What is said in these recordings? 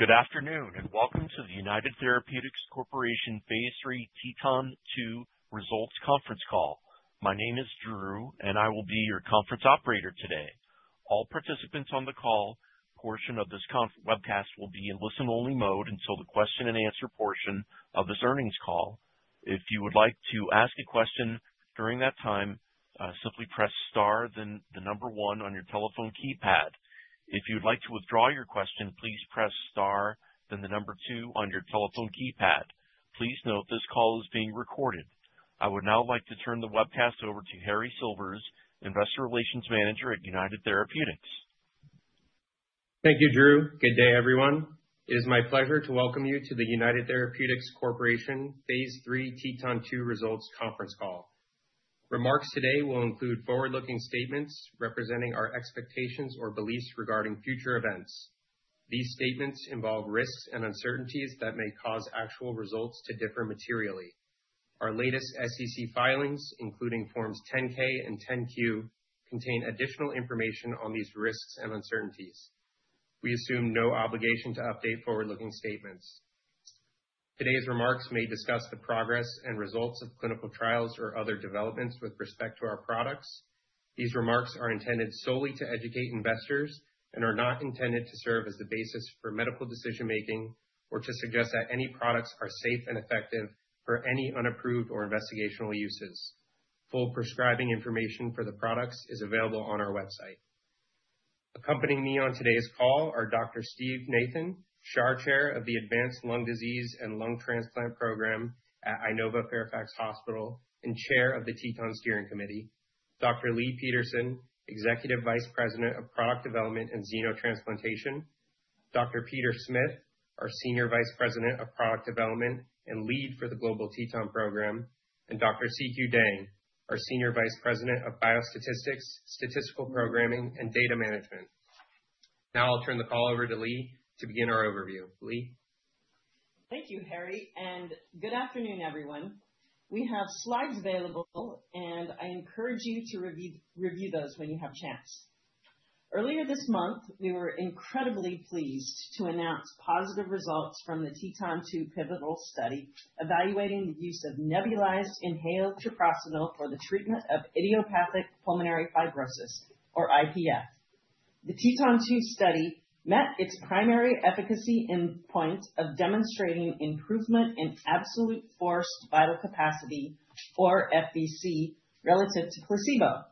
Good afternoon and welcome to the United Therapeutics Corporation Phase III TETON-2 Results Conference Call. My name is Drew and I will be your conference operator today. All participants on the call portion of this webcast will be in listen only mode until the question and answer portion of this earnings call. If you would like to ask a question during that time, simply press Star, then the number one on your telephone keypad. If you would like to withdraw your question, please press Star then the number two on your telephone keypad. Please note this call is being recorded. I would now like to turn the webcast over to Harry Silvers, Investor Relations Manager at United Therapeutics. Thank you, Drew. Good day everyone. It is my pleasure to welcome you to the United Therapeutics Corporation phase 3 TETON 2 Results Conference Call. Remarks today will include forward-looking statements representing our expectations or beliefs regarding future events. These statements involve risks and uncertainties that may cause actual results to differ materially. Our latest SEC filings, including Forms 10-K and 10-Q, contain additional information on these risks and uncertainties. We assume no obligation to update forward-looking statements. Today's remarks may discuss the progress and results of clinical trials or other developments with respect to our products. These remarks are intended solely to educate investors and are not intended to serve as the basis for medical decision making or to suggest that any products are safe and effective for any unapproved or investigational uses. Full prescribing information for the products is available on our website. Accompanying me on today's call are Dr. Steven D. Nathan, Chair of the Advanced Lung Disease and Lung Transplant Program at Inova Fairfax Hospital and Chair of the TETON steering committee, Dr. Leigh Peterson, Executive Vice President of Product Development and Xenotransplantation, Dr. Peter Smith, our Senior Vice President of Product Development and Lead for the global TETON program, and Dr. C.Q. Dang, our Senior Vice President of Biostatistics, Statistical Programming, and Data Management. Now I'll turn the call over to Leigh to begin our overview. Leigh, thank you, Harry, and good afternoon, everyone. We have slides available and I encourage you to review those when you have chance. Earlier this month, we were incredibly pleased to announce positive results from the TETON 2 pivotal study evaluating the use of nebulized inhaled treprostinil for the treatment of idiopathic pulmonary fibrosis, or IPF. The TETON 2 study met its primary efficacy endpoint of demonstrating improvement in absolute forced vital capacity, or FVC, relative to placebo.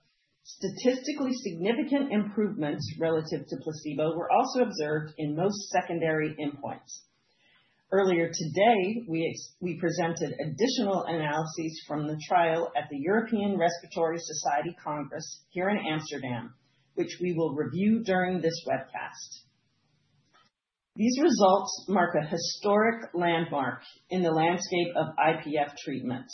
Statistically significant improvements relative to placebo were also observed in most secondary endpoints. Earlier today, we presented additional analyses from the trial at the European Respiratory Society Congress here in Amsterdam, which we will review during this webcast. These results mark a historic landmark in the landscape of IPF treatment.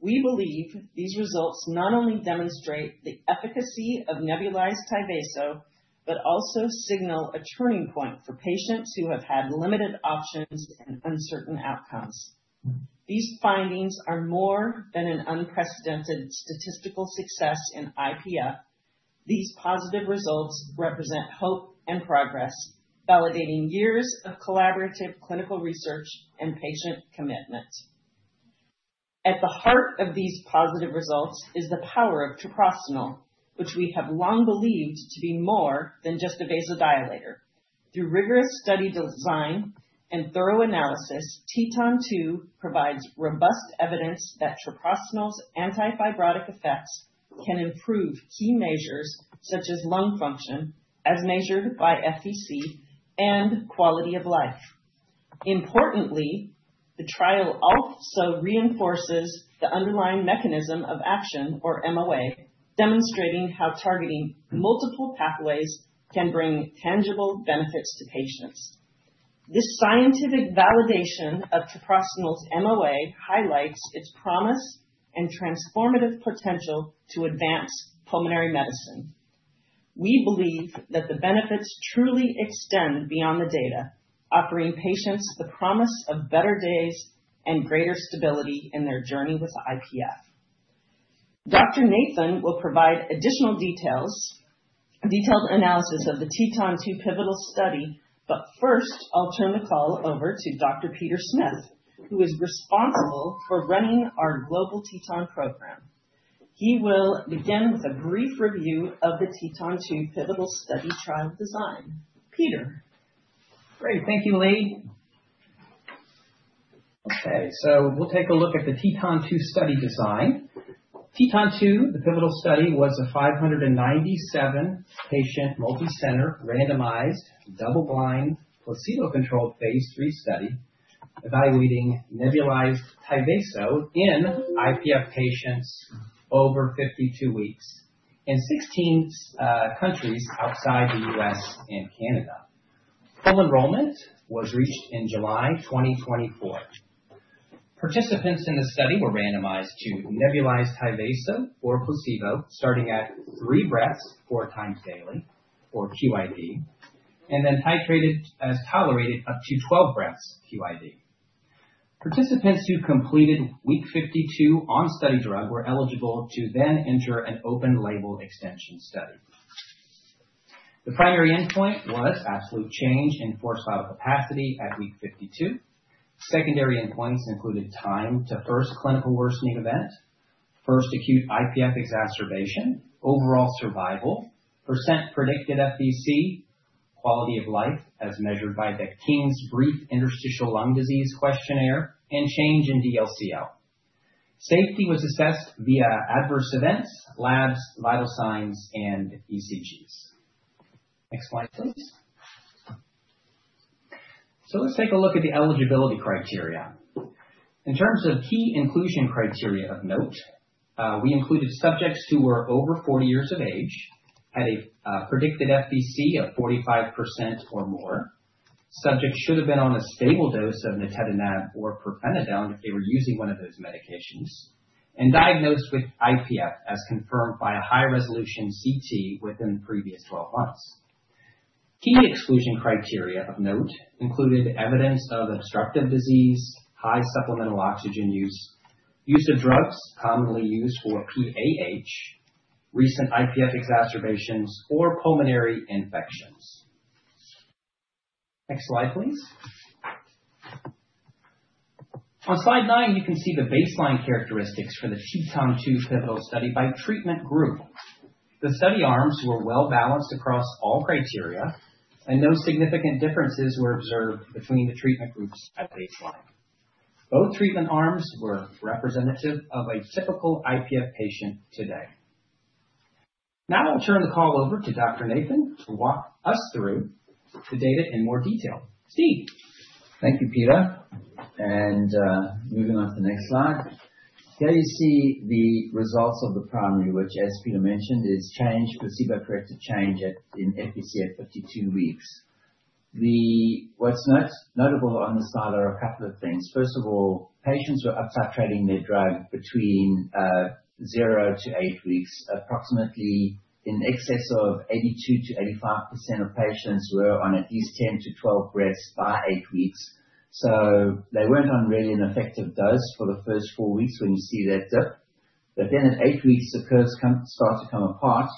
We believe these results not only demonstrate the efficacy of nebulized Tyvaso but also signal a turning point for patients who have had limited options and uncertain outcomes. These findings are more than an unprecedented statistical success in IPF. These positive results represent hope and progress, validating years of collaborative clinical research and patient commitment. At the heart of these positive results is the power of treprostinil, which we have long believed to be more than just a vasodilator. Through rigorous study design and thorough analysis, TETON 2 provides robust evidence that treprostinil's antifibrotic effects can improve key measures such as lung function as measured by FVC and quality of life. Importantly, the trial also reinforces the underlying mechanism of action, or MOA, demonstrating how targeting multiple pathways can bring tangible benefits to patients. This scientific validation of treprostinil's MOA highlights its promise and transformative potential to advance pulmonary medicine. We believe that the benefits truly extend beyond the data, offering patients the promise of better days and greater stability in their journey with IPF. Dr. Nathan will provide additional details, detailed analysis of the TETON 2 pivotal study. But first I'll turn the call over to Dr. Peter Smith who is responsible for running our global TETON program. He will begin with a brief review of the TETON 2 pivotal study trial design. Peter Great..Thank you. Leigh Okay, so we'll take a look at the TETON 2 study design. TETON 2, the pivotal study, was a. 597-patient multicenter randomized double-blind placebo-controlled phase 3 study evaluating nebulized Tyvaso in IPF patients over 52 weeks and 16 countries outside the U.S. and Canada. Full enrollment was reached in July 2024. Participants in the study were randomized to nebulized Tyvaso or placebo starting at three breaths four times daily or QID and then titrated as tolerated up to 12 breaths QID. Participants who completed week 52 on study drug were eligible to then enter an open-label extension study. The primary endpoint was absolute change in forced vital capacity at week 52. Secondary endpoints included time to first clinical worsening event, first acute IPF exacerbation, overall survival, percent-predicted FVC, quality of life as measured by the King's Brief Interstitial Lung Disease Questionnaire, and change in DLCO. Safety was assessed via adverse events, labs, vital signs, and ECGs. Next slide please. So let's take a look at the eligibility criteria in terms of key inclusion criteria of note. We included subjects who were over 40 years of age, had a predicted FVC of 45% or more. Subjects should have been on a stable dose of nintedanib or pirfenidone if they were using one of those medications and diagnosed with IPF as confirmed by a high-resolution CT within the previous 12 months. Key exclusion criteria of note included evidence of obstructive disease, high supplemental oxygen use, use of drugs commonly used for PAH, recent IPF exacerbations or pulmonary infections. Next slide, please. On slide nine you can see the baseline characteristics for the TETON 2 pivotal study by treatment group. The study arms were well balanced across all criteria and no significant differences were observed between the treatment groups at baseline. Both treatment arms were representative of a typical IPF patient today. Now I'll turn the call over to. Dr. Nathan to walk us through the data in more detail. Steve? Thank you, Peter. And moving on to the next slide. Here you see the results of the primary, which as Peter mentioned is placebo-corrected change in FVC at 52 weeks. What's notable on the slide are a couple of things. First of all, patients were up-titrating their drug between 0 to eight weeks. Approximately in excess of 82%-85% of patients were on at least 10-12 breaths by eight weeks. So they weren't on really an effective dose for the first four weeks when you see that dip. But then at eight weeks the curves start to come apart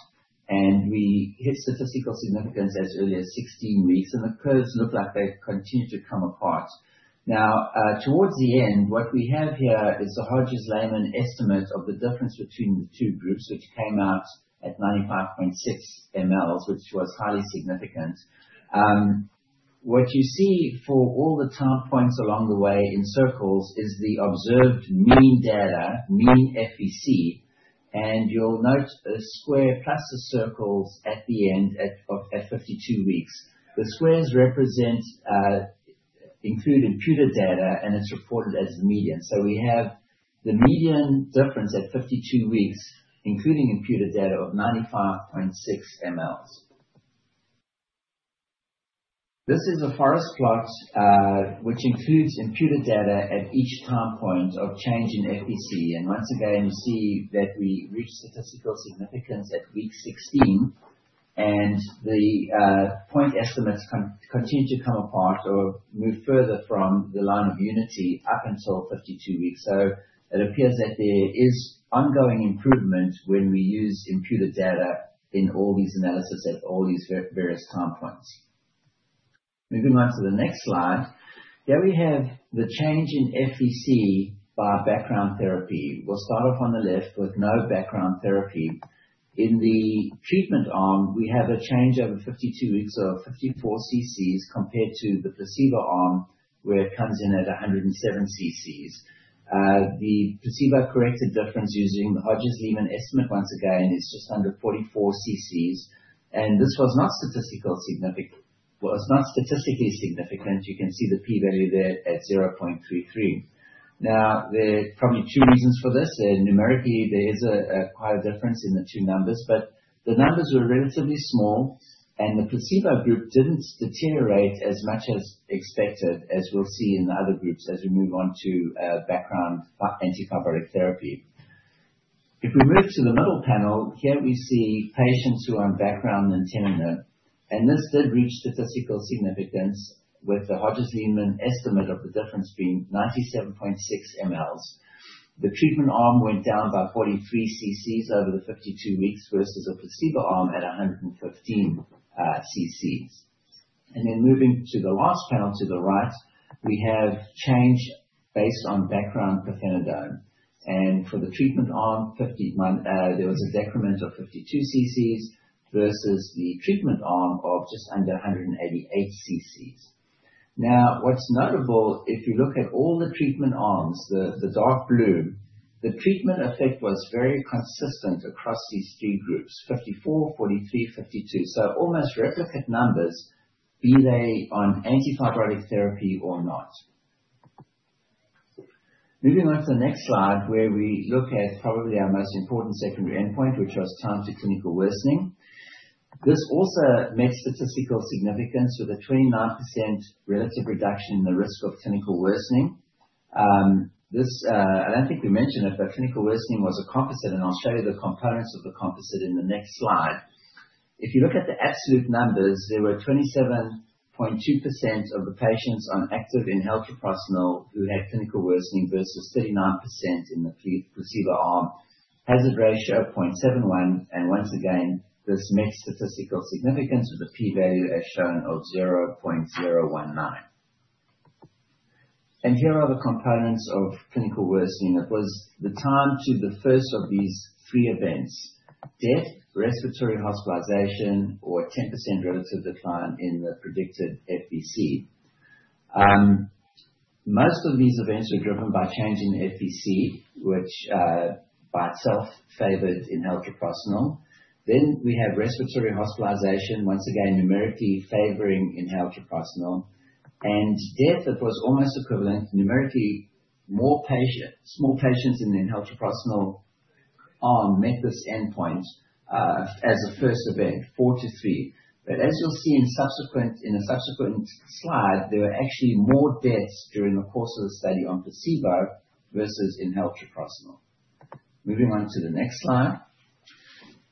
and we hit statistical significance as early as 16 weeks and the curves look like they continue to come apart now towards the end. What we have here is the Hodges-Lehmann estimate of the difference between the two groups which came out at 95.6 mL, which was highly significant. What you see for all the time points along the way in circles is the observed mean data, mean FVC and you'll note a square plus the circles at the end at 52 weeks. The squares represent include imputed data and it's reported as the median. So we have the median difference at 52 weeks including imputed data of 95.6 mL. This is a forest plot which includes imputed data at each time point of change in FVC. And once again you see that we reached statistical significance at week 16 and the point estimates continue to come apart or move further from the line of unity up until 52 weeks. So it appears that there is ongoing improvement when we use imputed data in all these analysis at all these various time points. Moving on to the next slide here we have the change in FVC by background therapy. We'll start off on the left with no background therapy in the treatment arm, we have a change over 52 weeks of 54 cc's compared to the placebo arm where it comes in at 107 cc's. The placebo corrected difference using the Hodges-Lehmann estimate once again is just under 44 cc's. And this was not statistically significant. You can see the P value there at 0.33. Now there are probably two reasons for this. Numerically there is quite a difference in the two numbers, but the numbers were relatively small and the placebo group didn't deteriorate as much as expected as we'll see in the other groups as we move on to background antifibrotic therapy. If we move to the middle panel here, we see patients who are in background nintedanib. And this did reach statistical significance with the Hodges-Lehmann estimate of the difference being 97.6 mL. The treatment arm went down by 43 cc's over the 52 weeks versus a placebo arm at 115 cc. And then moving to the last panel to the right, we have changed based on background pirfenidone. And for the treatment arm there was a decrement of 52 cc's versus the treatment arm of just under 188 cc. Now, what's notable if you look at all the treatment arms, the dark blue. The treatment effect was very consistent across these three groups. 54, 43, 52, so almost replicate numbers, be they on antifibrotic therapy or not. Moving on to the next slide where we look at probably our most important secondary endpoint which was time to clinical worsening. This also met statistical significance with a 29% relative reduction in the risk of clinical worsening. I don't think we mentioned it, but clinical worsening was a composite, and I'll show you the components of the composite in the next slide. If you look at the absolute numbers, there were 27.2% of the patients on active inhaled treprostinil who had clinical worsening versus 39% in the placebo arm, hazard ratio 0.71. And once again, this met statistical significance with a P value as shown of 0.019, and here are the components of clinical worsening. It was the time to the first of these three events: death, respiratory hospitalization, or 10% relative decline in the predicted FVC. Most of these events were driven by change in FVC, which by itself favored inhaled treprostinil. Then we have respiratory hospitalization once again numerically favoring inhaled treprostinil, and death that was almost equivalent numerically. More total patients in the inhaled treprostinil arm met this endpoint as a first event, four to three, but as you'll see in a subsequent slide, there were actually more deaths during the course of the study on placebo versus inhaled treprostinil. Moving on to the next slide,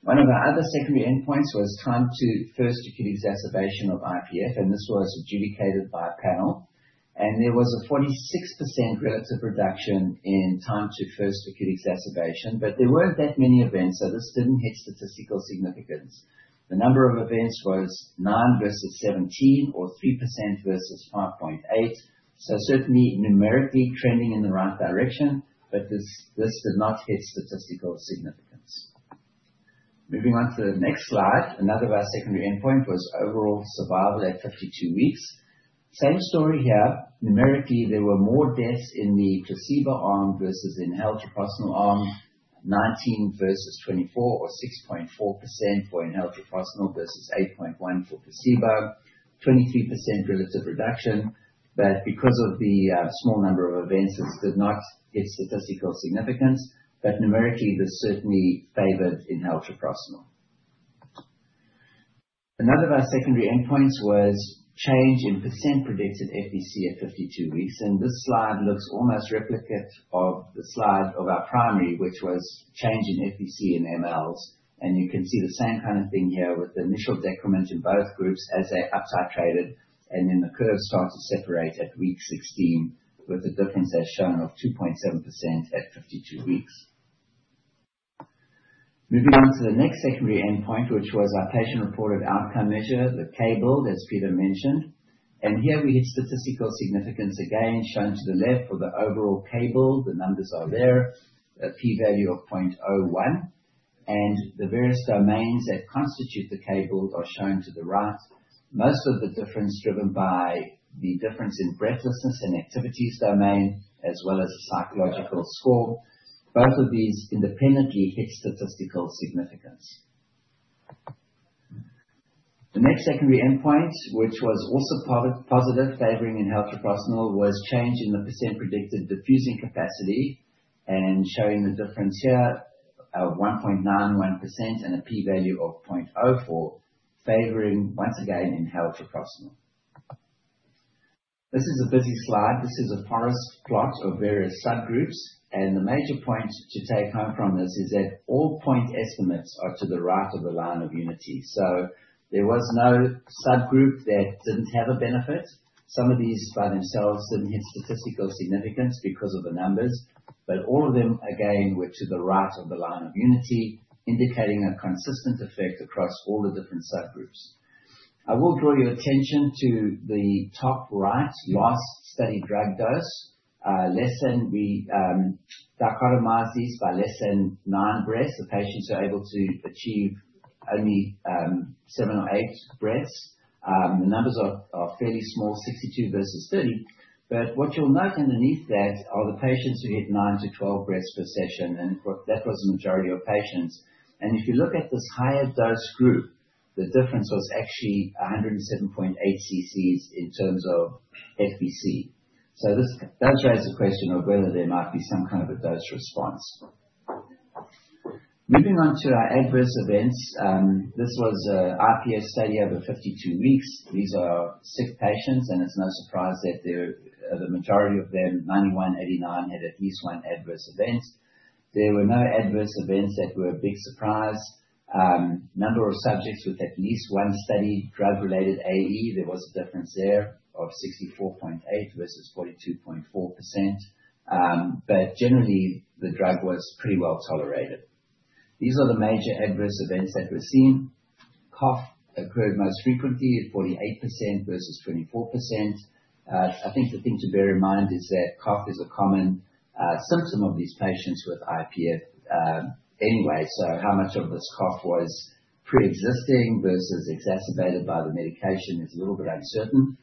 one of our other secondary endpoints was time to first acute exacerbation of IPF, and this was adjudicated by a panel, and there was a 46% relative reduction in time to first acute exacerbation. But there weren't that many events so this didn't hit statistical significance. The number of events was 9 versus 17 or 3% versus 5.8%, so certainly numerically trending in the right direction. But this did not hit statistical significance. Moving on to the next slide, another of our secondary endpoint was overall survival at 52 weeks. Same story here. Numerically there were more deaths in the placebo arm versus inhaled treprostinil arm 19 versus 24 or 6.4% for inhaled treprostinil versus 8.1% for placebo 23% relative reduction but because of the small number of events this did not get statistical significance. But numerically this certainly favored inhaled treprostinil. Another of our secondary endpoints was change in percent-predicted FVC at 52 weeks and this slide looks almost a replica of the slide of our primary which was change in FVC and mL and you can see the same kind of thing here with the initial decrement in both groups as they up-titrated and then the curves start to separate at week 16 with the difference as shown of 2.7% at 52 weeks. Moving on to the next secondary endpoint which was our patient-reported outcome measure, the K-BILD. As Peter mentioned and here we had statistical significance again shown to the left for the overall K-BILD. The numbers are there, a p-value of 0.01 and the various domains that constitute the K-BILD are shown to the right. Most of the difference driven by the difference in breathlessness and activities domain and as well as psychological score. Both of these independently had statistical significance. The next secondary endpoint which was also positive favoring inhaled treprostinil was change in the percent predicted diffusing capacity and showing the difference here 1.91% and a P value of 0.04 favoring once again inhaled treprostinil. This is a busy slide. This is a forest plot of various subgroups and the major point to take home from this is that all point estimates are to the right of the line of unity. So there was no subgroup that didn't have a benefit. Some of these by themselves didn't have statistical significance because of the numbers, but all of them again were to the right of the line of unity, indicating a consistent effect across all the different subgroups. I will draw your attention to the top right last study drug dose less than. We dichotomized these by less than nine breaths. The patients are able to achieve only seven or eight breaths. The numbers are fairly small, 62 versus 30. But what you'll note underneath that are the patients who hit nine to 12 breaths per session and that was the majority of patients. And if you look at this higher dose group, the difference was actually 107.8 cc in terms of FVC. So this does raise the question of whether there might be some kind of a dose response. Moving on to our adverse events. This was an IPF study over 52 weeks. These are sick patients and it's no surprise that the majority of them, 91.89% had at least one adverse event. There were no adverse events that were a big surprise. Number of subjects with at least one study drug related AE. There was a difference there of 64.8% versus 42.4%, but generally the drug was pretty well tolerated. These are the major adverse events that were seen. Cough occurred most frequently at 48% versus 24%. I think the thing to bear in mind is that cough is a common symptom of these patients with IPF anyway. So how much of this cough was preexisting versus exacerbated by the medication is a little bit uncertain.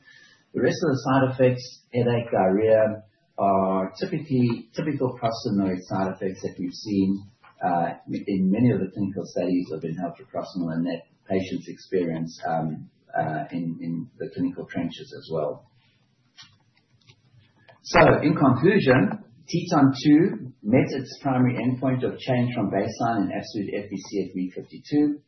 The rest of the side effects, headache, diarrhea, are typical prostanoid side effects that we've seen in many of the clinical studies of inhaled treprostinil and that patients experience in the clinical trenches as well. So in conclusion, TETON 2 met its primary endpoint of change from baseline in absolute FVC at Week 52.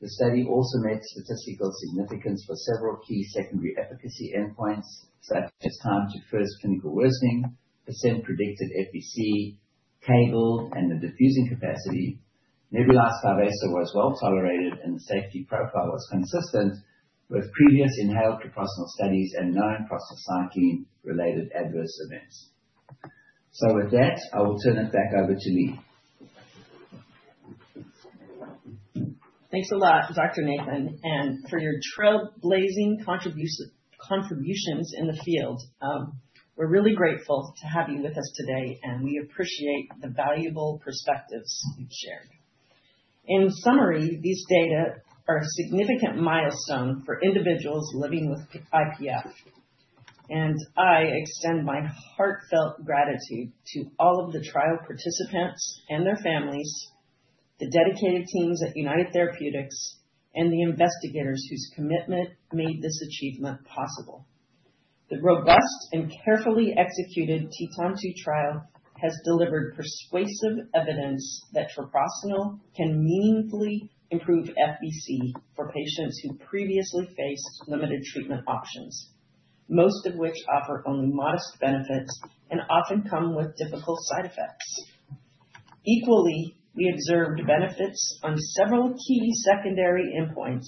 The study also met statistical significance for several key secondary efficacy endpoints such as time to first clinical worsening, percent predicted FVC, K-BILD, and the diffusing capacity. Nebulized Tyvaso was well tolerated and the safety profile was consistent with previous inhaled treprostinil studies and known prostacyclin-related adverse events. So with that I will turn it back over to Leigh. Thanks a lot, Dr. Nathan, and for your trailblazing contributions in the field. We're really grateful to have you with us today and we appreciate the valuable perspectives you've shared. In summary, these data are a significant milestone for individuals living with IPF and I extend my heartfelt gratitude to all of the trial participants and their families, the dedicated teams at United Therapeutics, and the investigators whose commitment made this achievement possible. The robust and carefully executed TETON 2 trial has delivered persuasive evidence that treprostinil can meaningfully improve FVC for patients who previously faced limited treatment options, most of which offer only modest benefits and often come with difficult side effects. Equally, we observed benefits on several key secondary endpoints,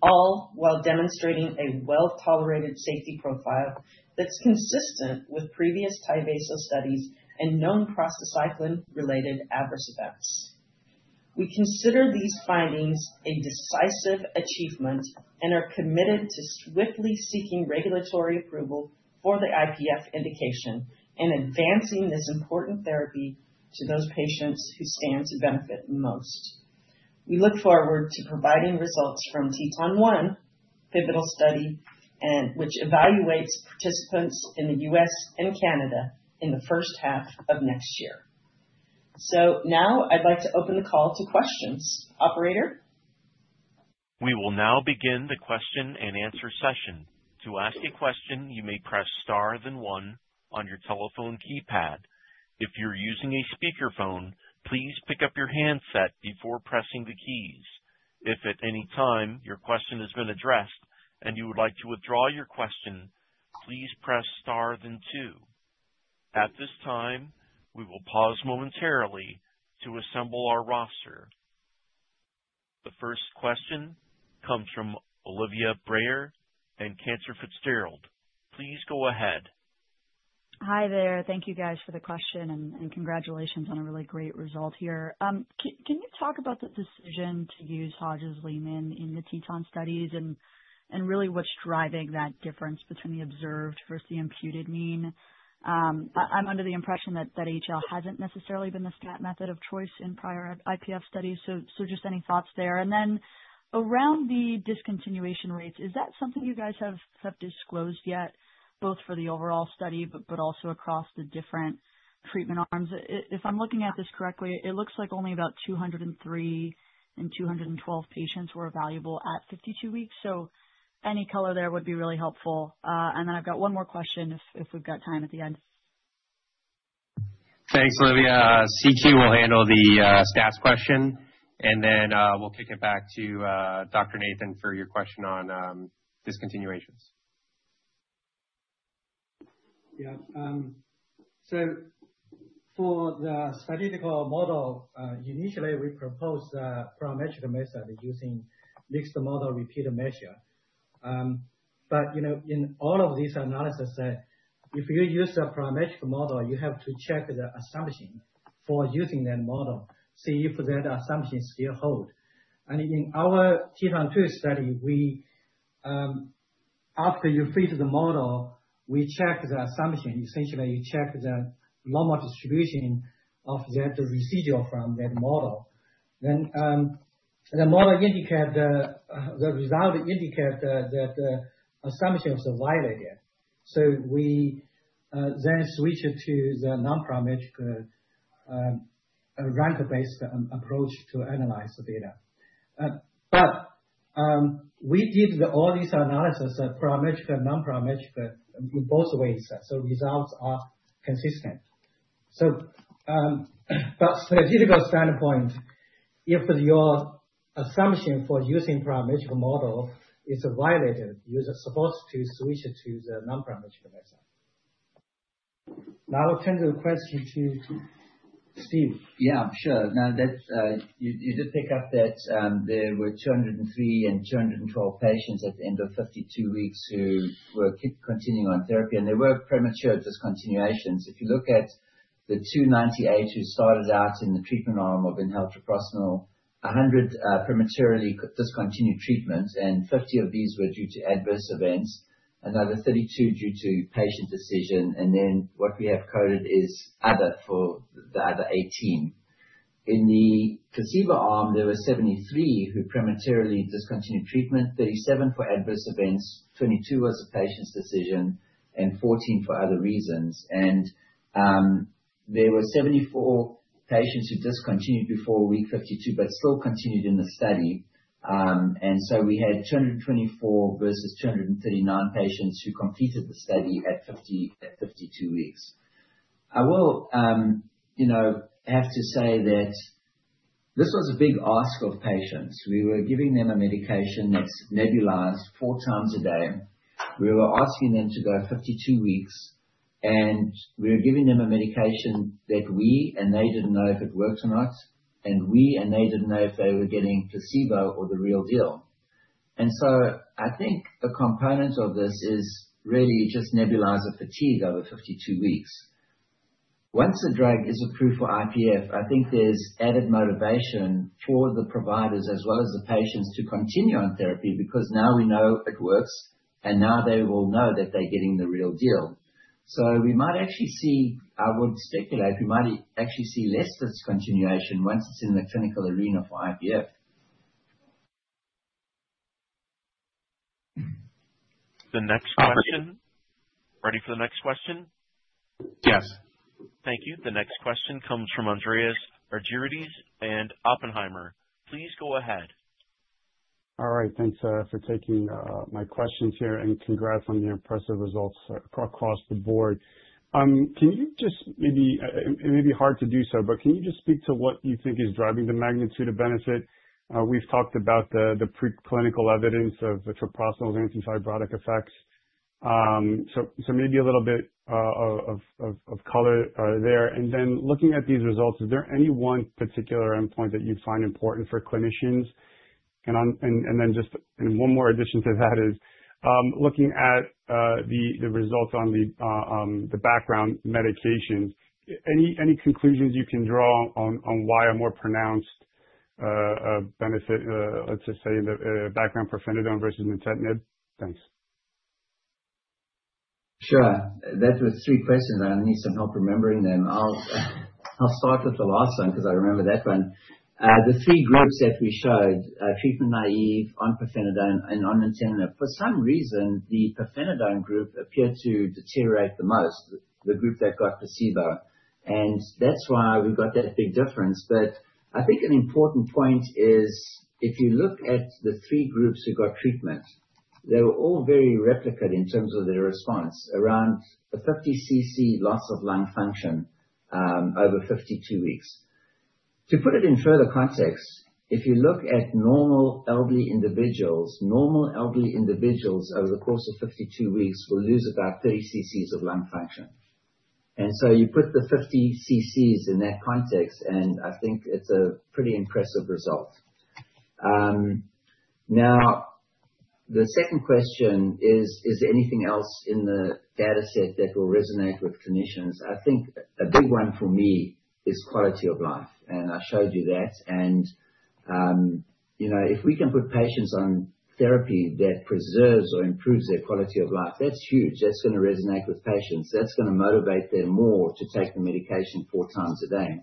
all while demonstrating a well tolerated safety profile, and that's consistent with previous Tyvaso studies and known prostacyclin related adverse events. We consider these findings a decisive achievement and are committed to swiftly seeking regulatory approval for the IPF indication and advancing this important therapy to those patients who stand to benefit most. We look forward to providing results from TETON 1 pivotal study which evaluates participants in the US and Canada in the first half of next year, so now I'd like to open the call to questions. Operator. We will now begin the question and answer session. To ask a question, you may press star then one on your telephone keypad. If you're using a speakerphone, please pick up your handset before pressing the keys. If at any time your question has been addressed and you would like to withdraw your question, please press star then two. At this time we will pause momentarily to assemble our roster. The first question comes from Olivia Brayer and Cantor Fitzgerald. Please go ahead. Hi there. Thank you guys for the question and congratulations on a really great result here. Can you talk about the decision to use Hodges-Lehmann in the TETON study and really what's driving that difference between the observed versus the imputed mean? I'm under the impression that HL hasn't necessarily been the standard method of choice in prior IPF studies. So just any thoughts there and then around the discontinuation rates? Is that something you guys have disclosed yet, both for the overall study but also across the different treatment arms? If I'm looking at this correctly, it looks like only about 203 and 212 patients were evaluable at 52 weeks, so any color there would be really helpful. And then I've got one more question if we've got time at the end. Thanks, Olivia. C.Q. will handle the stats question and then we'll kick it back to Dr. Nathan, for your question on discontinuations. Yeah, so for the statistical model initially we proposed parametric method using mixed model repeated measures. But you know, in all of these analysis, if you use a parametric model, you have to check the assumption for using that model, see if that assumption still hold. And in our TETON 2 study we, after you fit the model, we check the assumption. Essentially you check the normal distribution of that residual from that model, then the model indicates the result, indicate that the assumption is violated. So we then switch it to the non-parametric rank-based approach to analyze the data. But we did all these analysis parametric and non-parametric in both ways. So results are consistent. So but from a statistical standpoint, if your assumption for using parametric model is violated, you're supposed to switch it to the non-parametric method. Now I'll turn the question to Steve. Yeah, sure. Now that you did pick up that there were 203 and 212 patients at the end of 52 weeks who were continuing on therapy, and there were premature discontinuations. If you look at the 298 who started out in the treatment arm of inhaled treprostinil, 100 prematurely discontinued treatment and 50 of these were due to adverse events, another 32 due to patient decision. And then what we have coded is other. For the other 18 in the placebo arm there were 73 who prematurely discontinued treatment, 37 for adverse events, 22 was a patient's decision and 14 for other reasons. And there were 74 patients who discontinued before week 52 but still continued in the study. And so we had 224 versus 239 patients who completed the study at 52 weeks. I will have to say that this was a big ask of patients. We were giving them a medication that's nebulized four times a day. We were asking them to go 52 weeks and we were giving them a medication. And they didn't know if it worked or not. And they didn't know if they were getting placebo or the real deal. And so I think a component of this is really just nebulizer fatigue over 52 weeks. Once the drug is approved for IPF, I think there's added motivation for the providers as well as the patients to continue on therapy because now we know it works and now they will know that they're getting the real deal. So we might actually see, I would speculate we might actually see less discontinuation once it's in the clinical arena for IPF. The next question. Ready for the next question? Yes, thank you. The next question comes from Andreas Argyrides and Oppenheimer. Please go ahead. All right, thanks for taking my questions here and congrats on your impressive results across the board. Can you just... Maybe it may be hard to do so, but can you just speak to what you think is driving the magnitude of benefit? We've talked about the preclinical evidence of treprostinil's antifibrotic effects, so maybe a little bit of color there. And then looking at these results, is there any one particular endpoint that you'd find important for clinicians? And then just one more addition to that is looking at the results on the background medications. Any conclusions you can draw on why a more pronounced benefit? Let's just say background pirfenidone versus nintedanib. Thanks. Sure. That was three questions. I need some help remembering them. I'll start with the last one because. I remember that one. The three groups that we showed treatment naive on pirfenidone and on nintedanib. For some reason, the pirfenidone group appeared to deteriorate the most. The group that got placebo, and that's why we got that big difference. But I think an important point is if you look at the three groups who got treatment, they were all very replicate in terms of their response around the 50 cc loss of lung function over 52 weeks. To put it in further context, if you look at normal elderly individuals, normal elderly individuals over the course of 52 weeks will lose about 30 cc's of lung function. So you put the 50 cc's in that context and I think it's a pretty impressive result. Now, the second question is, is there anything else in the data set that will resonate with clinicians? I think a big one for me is quality of life. And I showed you that. And you know, if we can put patients on therapy that preserves or improves their quality of life, that's huge. That's going to resonate with patients, that's going to motivate them more to take the medication four times a day.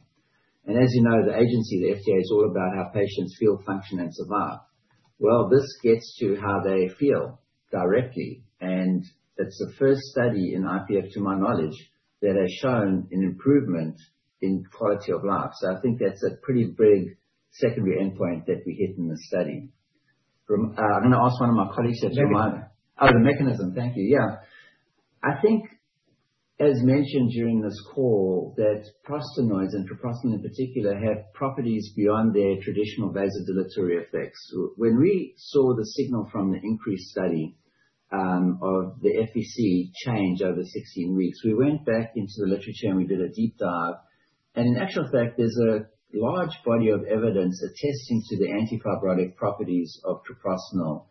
And as you know, the agency, the FDA, is all about how patients feel, function and survive. Well, this gets to how they feel directly. And it's the first study in IPF, to my knowledge, that has shown an improvement in quality of life. So I think that's a pretty big secondary endpoint that we hit in the study. I'm going to ask one of my colleagues. Oh, the mechanism. Thank you. Yeah, I think as mentioned during this call, that prostanoids and treprostinil in particular have properties beyond their traditional vasodilatory effects. When we saw the signal from the interim study of the FVC change over 16 weeks, we went back into the literature and we did a deep dive, and in actual fact, there's a large body of evidence attesting to the antifibrotic properties of treprostinil.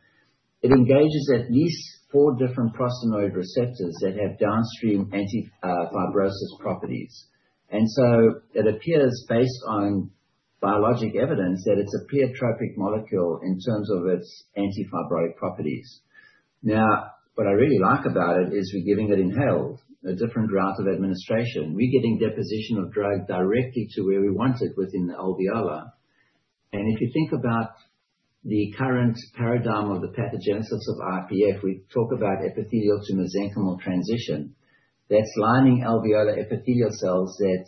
It engages at least four different prostanoid receptors that have downstream antifibrotic properties, and so it appears, based on biologic evidence, that it's a pleiotropic molecule in terms of its antifibrotic properties. Now, what I really like about it is we're giving it inhaled, a different route of administration. We're getting deposition of drug directly to where we want it within the alveoli. And if you think about the current paradigm of the pathogenesis of IPF, we talk about epithelial to mesenchymal transition. That's those lining alveolar epithelial cells that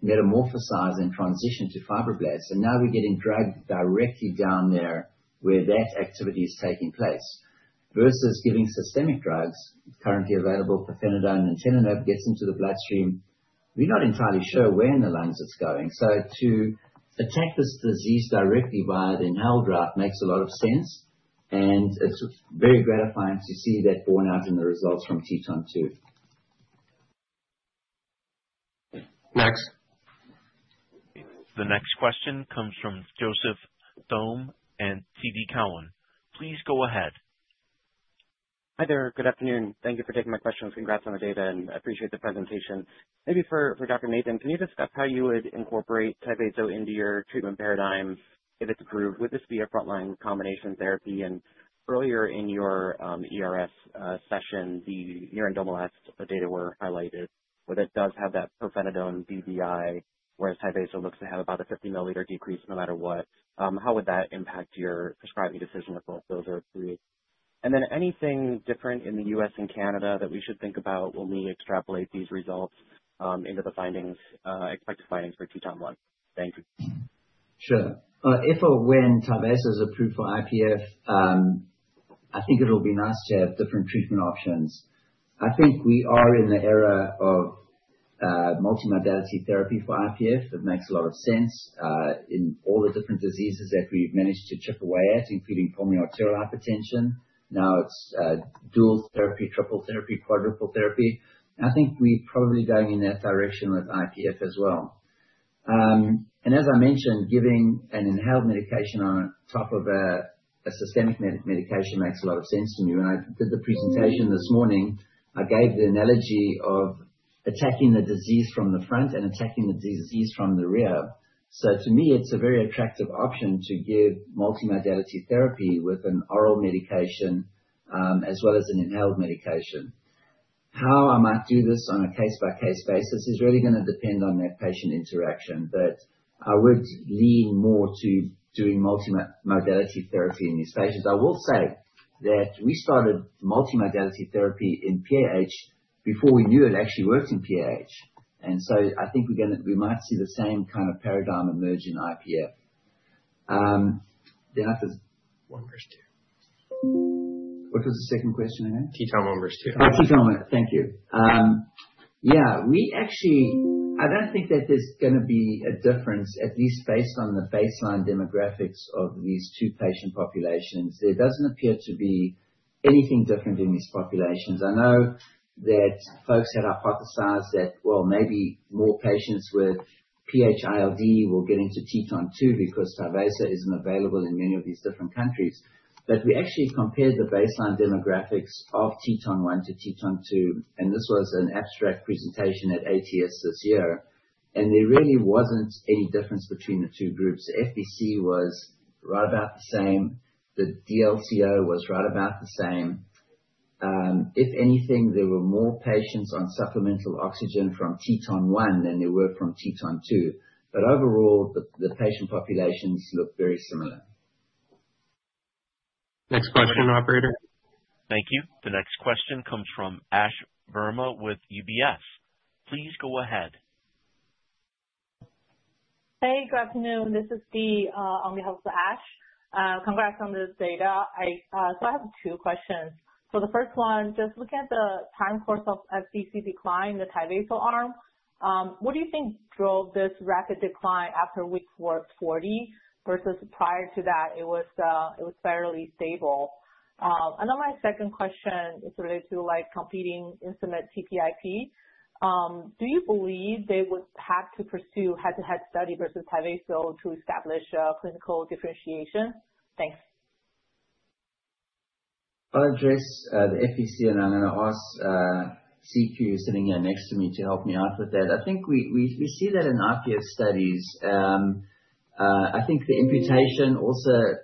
metamorphose and transition to fibroblasts. And now we're getting dragged directly down there where that activity is taking place versus giving systemic drugs. Currently available Pirfenidone and nintedanib gets into the bloodstream. We're not entirely sure where in the lungs it's going. So to attack this disease directly via the inhaled route makes a lot of sense and it's very gratifying to see that borne out in the results from TETON 2 The next question comes from Joseph Thome and TD Cowen. Please go ahead. Hi there. Good afternoon. Thank you for taking my questions. Congrats on the data and appreciate the presentation. Maybe for Dr. Nathan, can you discuss how you would incorporate Tyvaso into your treatment paradigm if it's approved? Would this be a frontline combination therapy? And earlier in your ERS session, the nerandomilast, the data were highlighted, but it does have that pirfenidone FVC, whereas Tyvaso looks to have about a 50 milliliter decrease no matter what. How would that impact your prescribing decision if both those are approved? And then anything different in the US and Canada that we should think about when we extrapolate these results into the expected findings for TETON 1. Thank you. Sure. If or when Tyvaso is approved for IPF, I think it will be nice to have different treatment options. I think we are in the era of multimodality therapy for IPF. That makes a lot of sense in all the different diseases that we've managed to chip away at, including pulmonary arterial hypertension. Now it's dual therapy, triple therapy, quadruple therapy. I think we probably going in that direction with IPF as well. And as I mentioned, giving an inhaled medication on top of a systemic medication makes a lot of sense to me. When I did the presentation this morning, I gave the analogy of attacking the disease from the front and attacking the disease from the rear. So to me it's a very attractive option to give multimodality therapy with an oral medication as well as an inhaled medication. How I might do this on a case-by-case basis is really going to depend on that patient interaction. But I would lean more to doing multimodality therapy in these patients. I will say that we started multimodality therapy in PAH before we knew it actually worked in PAH and so I think we might see the same kind of paradigm emerge in IPF. The answer is one versus two. What was the second question again? TETON 1 versus 2. Thank you. Yeah, we actually, I don't think that there's going to be a difference at least based on the baseline demographics of these two patient populations. There doesn't appear to be anything different in these populations. I know that folks had hypothesized that well, maybe more patients with PH ILD will get into TETON 2 because Tyvaso isn't available in many of these different countries. But we actually compared the baseline demographics of TETON 1 to TETON 2 and this was an abstract presentation at ATS this year and there really wasn't any difference between the two groups. The FVC was right about the same, the DLCO was right about the same. If anything there were more patients on supplemental oxygen from TETON 1 than there were from TETON 2. But overall the patient populations look very similar. Next question, operator. Thank you. The next question comes from Ash Verma with UBS. Please go ahead. Hey, good afternoon, this is Dee. On behalf of Ash, congrats on this data. So I have two questions. So the first one, just looking at the time course of FVC decline, the Tyvaso arm, what do you think drove this rapid decline after week 40 versus prior to that it was fairly stable. And then my second question is related to like competing in TPIP. Do you believe they would have to pursue head-to-head study versus Tyvaso to establish clinical differentiation? Thanks. I'll address the FVC and I'm going to ask C.Q. sitting there next to me to help me out with that. I think we see that in IPF studies. I think the imputation also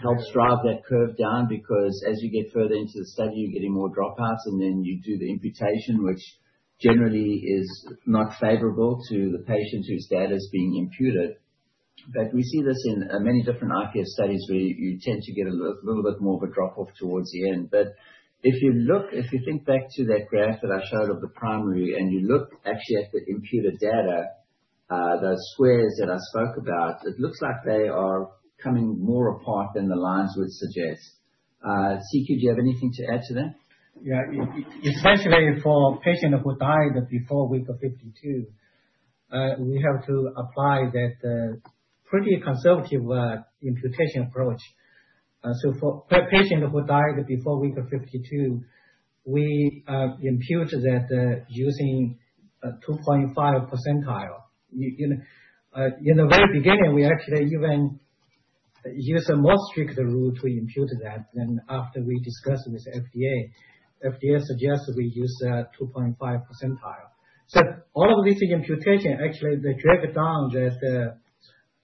helps drive that curve down because as you get further into the study, you're getting more dropouts and then you do the imputation, which generally is not favorable to the patient whose data is being imputed. But we see this in many different IPF studies where you tend to get a little bit more of a drop off towards the end. But if you look, if you think back to that graph that I showed of the primary, and you look actually at the imputed data, the squares that I spoke about, it looks like they are coming more apart than the lines would suggest. C.Q., do you have anything to add to that? Yeah. Essentially for patients who died before week 52, we have to apply that pretty conservative imputation approach. So for patients who died before week 52, we impute that using 2.5 percentile. In the very beginning, we actually even use a more strict rule to impute that. Then after we discussed with FDA, FDA suggests we use 2.5 percentile. So all of this imputation actually they drag down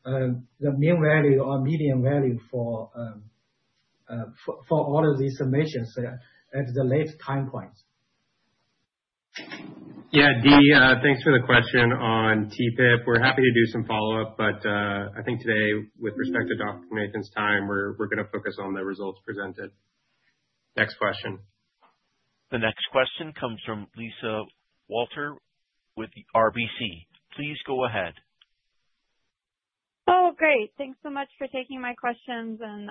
the mean value or median value for all of these submissions at the late time point. Yeah. Dee, thanks for the question on TPIP. We're happy to do some follow up, but I think today with respect to Dr. Nathan's time, we're going to focus on the results presented. Next question. The next question comes from Lisa Walter with the RBC. Please go ahead. Oh, great. Thanks so much for taking my questions and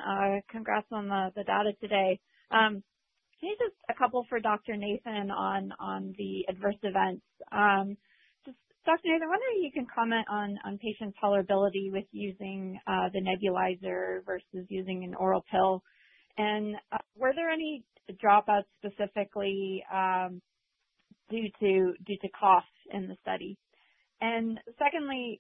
congrats on the data today. Just a couple for Dr. Nathan on the adverse events. Dr. Nathan, I wonder if you can comment on patient tolerability with using the nebulizer versus using an oral pill, and were there any dropouts specifically? Due to costs in the study. And secondly,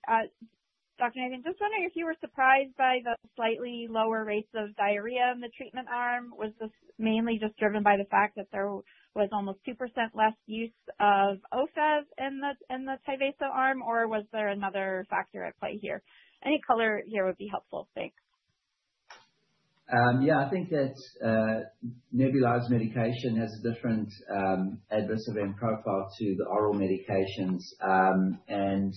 Dr. Nathan, just wondering if you were surprised by the slightly lower rates of diarrhea in the treatment arm. Was this mainly just driven by the fact that there was almost 2% less use of Ofev in the Tyvaso arm, or was there another factor at play here? Any color here would be helpful. Thanks. Yeah, I think that nebulized medication has a different adverse event profile to the oral medications. And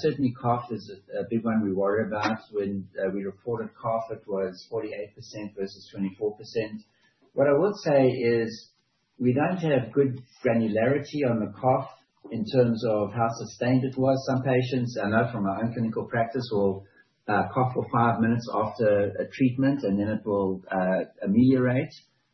certainly cough is a big one we worry about. When we reported cough, it was 48% versus 24%. What I would say is we don't have good granularity on the cough in terms of how sustained it was. Some patients I know from our own clinical practice will cough for five minutes after a treatment and then it will ameliorate.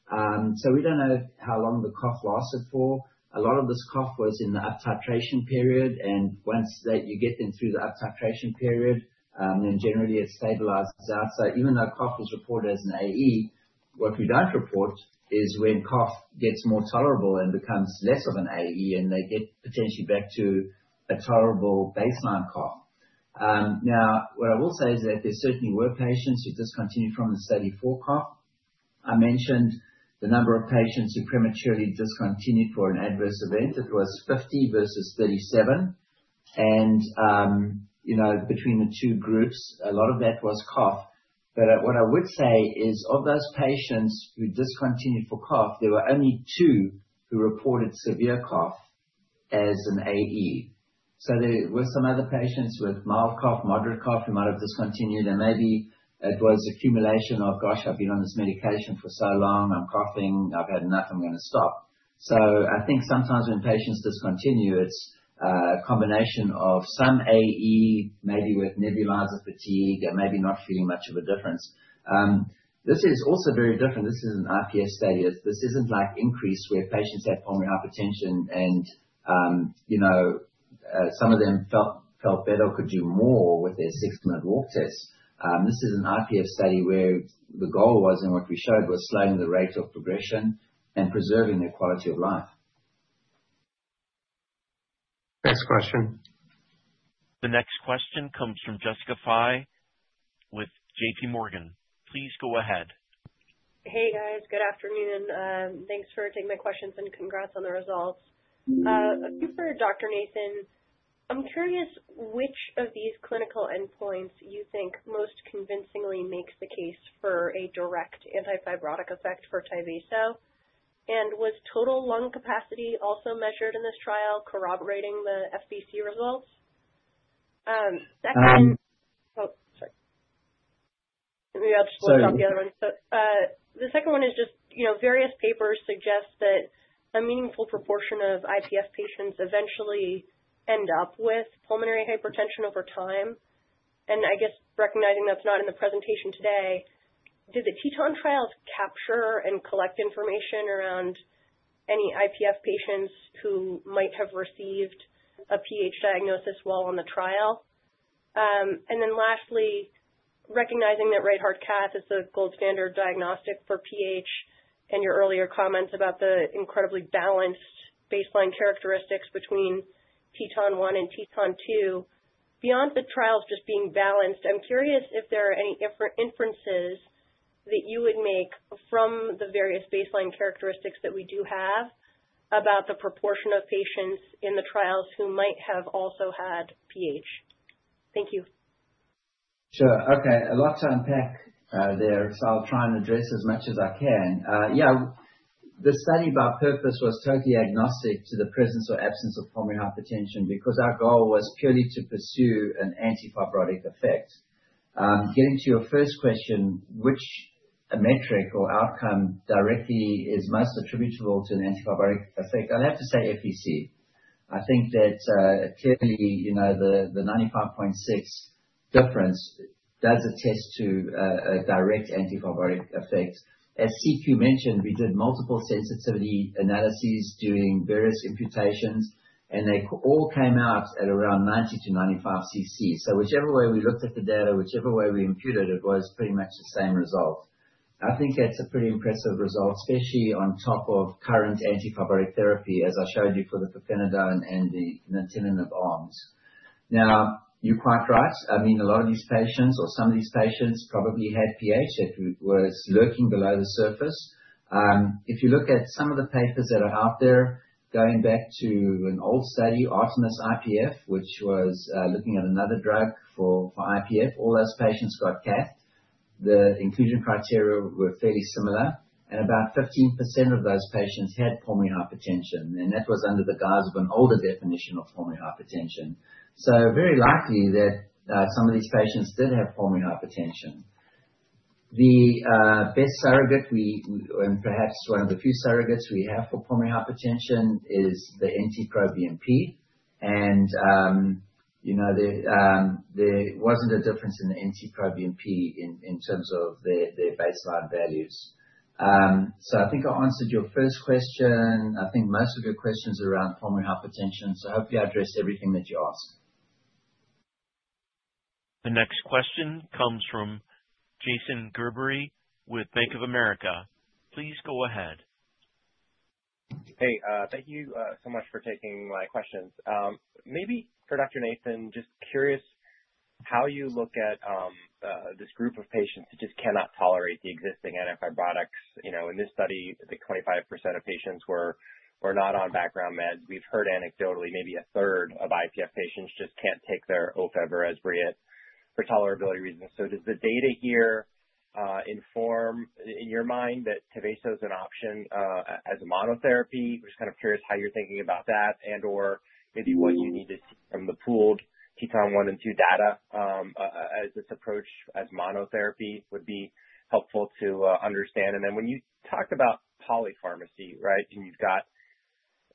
So we don't know how long the cough lasted. For a lot of this cough was in the up titration period. And once you get them through the up titration period, then generally it stabilizes out. So even though cough was reported as an AE, what we don't report is when cough gets more tolerable and becomes less of an AE and they get potentially back to a tolerable baseline cough. Now what I will say is that there certainly were patients who discontinued from the study for cough. I mentioned the number of patients who prematurely discontinued for an adverse event. It was 50 versus 37. And you know, between the two groups, a lot of that was cough. But what I would say is of those patients who discontinued for cough, there were only two who reported severe cough as an AE. So there were some other patients with mild cough, moderate cough who might have discontinued and maybe it was accumulation of gosh, I've been on this medication for so long, I'm coughing, I've had enough, I'm going to stop. So I think sometimes when patients discontinue, it's a combination of some AE, maybe with nebulizer fatigue and maybe not feeling much of a difference. This is also very different. This is an IPF study. This isn't like INCREASE where patients had pulmonary hypertension and some of them felt better, could do more with their six-minute walk test. This is an IPF study where the goal was and what we showed was slowing the rate of progression and preserving their quality of life. Next question. The next question comes from Jessica Fye with JPMorgan. Please go ahead. Hey guys, good afternoon. Thanks for taking my questions and congrats on the results for Dr. Nathan. I'm curious which of these clinical endpoints you think most convincingly makes the case for a direct antifibrotic effect for Tyvaso? And was total lung capacity also measured in this trial corroborating the FVC results? Second. Maybe I'll just close off the other one. The second one is just, you know, various papers suggest that a meaningful proportion of IPF patients eventually end up with pulmonary hypertension over time. And I guess recognizing that's not in the presentation today. Do the TETON trials capture and collect information around any IPF patients who might have received a PH diagnosis while on the trial? And then lastly, recognizing that right heart cath is the gold standard diagnostic for PH, and your earlier comments about the incredibly balanced baseline characteristics between TETON 1 and TETON 2 beyond the trials just being balanced, I'm curious if there are any inferences that you would make from the various baseline characteristics that we do have about the proportion of patients in the trials who might have also had PH. Thank you. Sure. Okay. A lot to unpack there, so I'll try and address as much as I can. Yeah. The study by purpose was totally agnostic to the presence or absence of pulmonary hypertension because our goal was purely to pursue an antifibrotic effect. Getting to your first question, which metric or outcome directly is most attributable to an antifibrotic effect? I'll have to say FVC. I think that clearly the 95.6 difference does attest to a direct antifibrotic effect. As CQ mentioned, we did multiple sensitivity analyses doing various imputations and they all came out at around 90-95 cc. So whichever way we looked at the data, whichever way we imputed it was pretty much the same result. I think that's a pretty impressive result, especially on top of ongoing antifibrotic therapy, as I showed you, for the pirfenidone and the nintedanib arms. Now you're quite right. I mean a lot of these patients, or some of these patients probably had PH that were lurking below the surface. If you look at some of the papers that are out there going back to an old study, Artemis-IPF, which was looking at another drug for IPF, all those patients got catheterized. The inclusion criteria were fairly similar, and about 15% of those patients had pulmonary hypertension, and that was under the guise of an older definition of pulmonary hypertension, so very likely that some of these patients did have pulmonary hypertension. The best surrogate, and perhaps one of the few surrogates we have for pulmonary hypertension, is the NT-proBNP, and you know, there wasn't a difference in the NT-proBNP in terms of their, their baseline values, so I think I answered your first question. I think most of your questions around pulmonary hypertension, so hopefully I address everything that you ask. The next question comes from Jason Gerbery with Bank of America. Please go ahead. Hey, thank you so much for taking my questions. Maybe for Dr. Nathan, just curious how you look at this group of patients that just cannot tolerate the existing antifibrotics. In this study, 25% of patients were not on background meds. We've heard anecdotally, maybe a third of IPF patients just can't take their Ofev or Esbriet for tolerability reasons. So does the data here inform in your mind that Tyvaso is an option as a monotherapy? Just kind of curious how you're thinking about that. And or maybe what you need to see from the pooled TETON 1 and 2 data as its approach as monotherapy would be helpful to understand. And then when you talked about polypharmacy, right, and you've got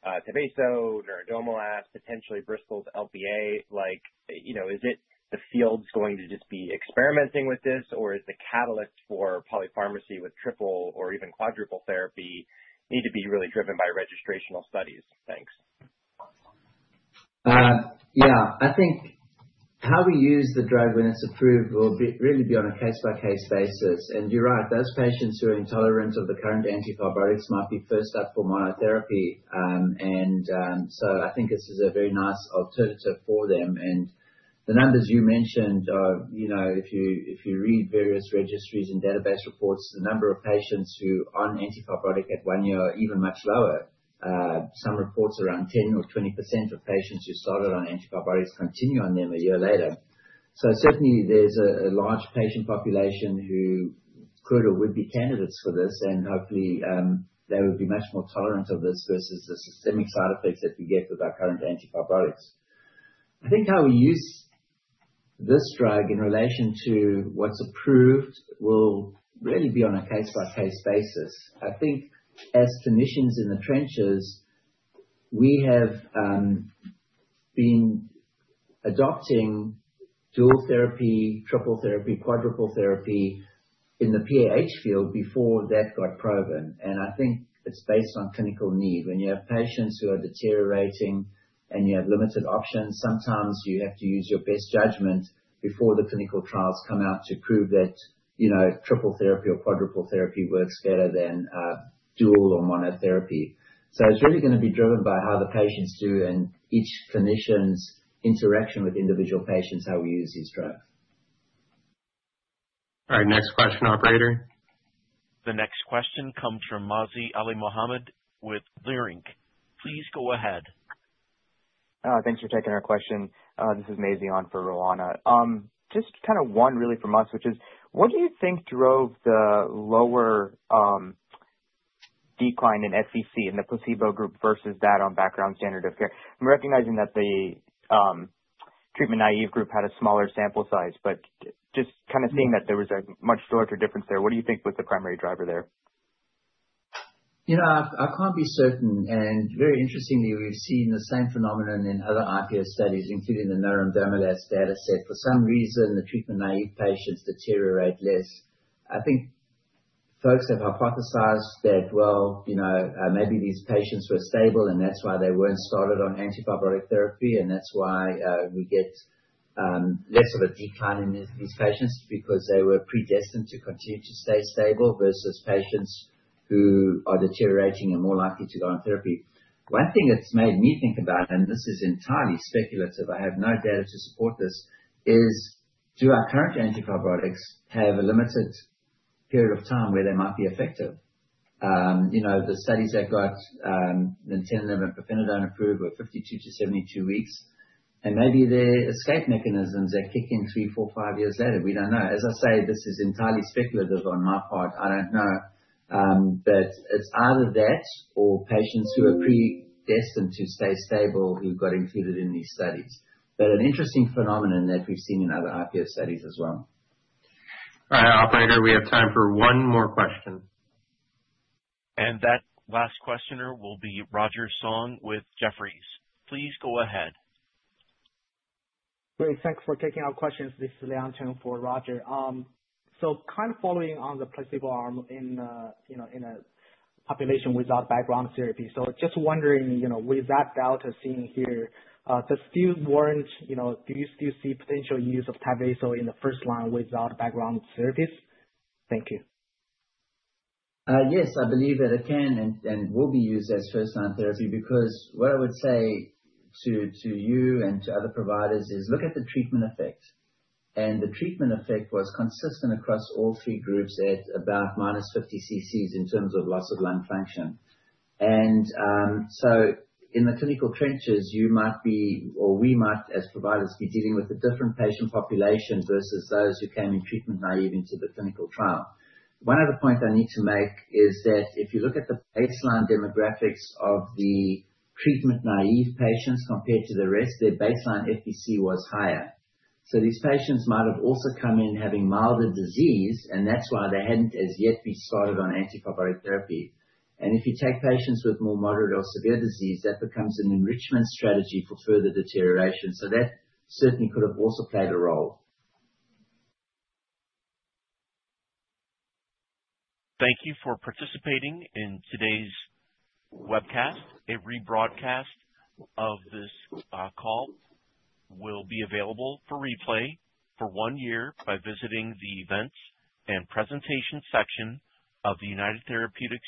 Tyvaso Nerandomilast, potentially Bristol's LPA, like, you know, is it the field's going to just be experimenting with this or is the catalyst for polypharmacy with triple or even quadruple therapy need to be really driven by registrational studies? Thanks. Yeah, I think how we use the drug when it's approved will really be on a case-by-case basis. And you're right, those patients who are intolerant of the current antifibrotics might be first up for monotherapy. And so I think this is a very nice alternative for them. And the numbers you mentioned, you know, if you read various registries and database reports, the number of patients who on antifibrotic at one year are even much lower. Some reports around 10% or 20% of patients who started on antifibrotics continue on them a year later. So certainly there's a large patient population who could or would be candidates for this and hopefully they would be much more tolerant of this versus the systemic side effects that we get with our current antifibrotics. I think how we use this drug in relation to what's approved will really be on a case by case basis. I think as clinicians in the trenches, we have been adopting dual therapy, triple therapy, quadruple therapy in the PAH field before that got proven, and I think it's based on clinical need. When you have patients who are deteriorating, you have limited options. Sometimes you have to use your best judgment before the clinical trials come out to prove that, you know, triple therapy or quadruple therapy works better than dual or monotherapy, so it's really going to be driven by how the patients do and each clinician's interaction with individual patients, how we use these drugs. All right, next question. Operator. The next question comes from Mazi Alimohamed with Leerink. Please go ahead. Thanks for taking our question. This is Mazi on for Roanna. Just kind of one really from us, which is what do you think drove the lower decline in FVC in the placebo group versus that on background standard of care. I'm recognizing that the treatment naive group had a smaller sample size, but just kind of seeing that there was a much larger difference there. What do you think was the primary driver there? You know, I can't be certain, and very interestingly, we've seen the same phenomenon in other IPF studies, including the Nerandomilast data set. For some reason, the treatment naive patients deteriorate less. I think folks have hypothesized that, well, you know, maybe these patients were stable and that's why they weren't started on antifibrotic therapy. And that's why we get less of a decline in these patients because they were predestined to continue to stay stable versus patients who are deteriorating and more likely to go on therapy. One thing that's made me think about, and this is entirely speculative, I have no data to support this, is do our current antifibrotics have a limited period of time where they might be effective? You know, the studies that got nintedanib and pirfenidone approved were 52-72 weeks. Maybe they're escape mechanisms that kick in three, four, five years later. We don't know. As I said, this is entirely speculative on my part. I don't know. But it's either that or patients who are predestined to stay stable who got included in these studies. But an interesting phenomenon that we've seen in other IPF studies as well. All right, operator, we have time for one more question. And that last questioner will be Roger Song with Jefferies. Please go ahead. Great. Thanks for taking our questions. This is Liang Cheng for Roger. So, kind of following on the placebo. arm in a population without background therapy, so just wondering with that delta seen. How does still warrant? Do you still see potential use of Tyvaso in the. First line without background therapies? Thank you Yes, I believe that it can and will be used as first line therapy. Because what I would say to you and to other providers is look at the treatment effect. And the treatment effect was consistent across all three groups at about -50 cc's in terms of loss of lung function. And so in the clinical trenches, you might be, or we might as providers be dealing with a different patient population versus those who came in treatment naive into the clinical trial. One other point I need to make is that if you look at the baseline demographics of the treatment naive patients compared to the rest, their baseline FVC was higher. So these patients might have also come in having milder disease and that's why they hadn't as yet been started on antifibrotic therapy. And if you take patients with more moderate or severe disease, that becomes an enrichment strategy for further deterioration. So that certainly could have also played a role. Thank you for participating in today's webcast. A rebroadcast of this call will be available for replay for one year by visiting the Events and Presentation section of the United Therapeutics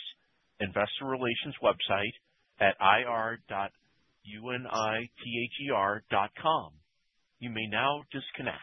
Investor Relations website at ir.unither.com. You may now disconnect.